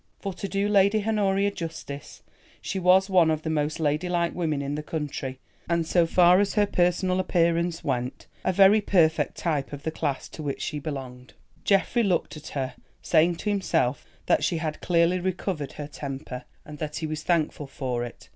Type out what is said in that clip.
For to do Lady Honoria justice, she was one of the most ladylike women in the country, and so far as her personal appearance went, a very perfect type of the class to which she belonged. Geoffrey looked at her, saying to himself that she had clearly recovered her temper, and that he was thankful for it.